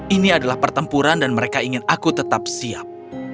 ini adalah pertempuran dan mereka ingin aku tetap siap